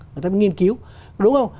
người ta mới nghiên cứu đúng không